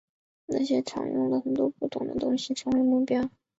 那些场用了很多不同的东西成为目标。